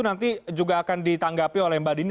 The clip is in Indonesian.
nanti juga akan ditanggapi oleh mbak dini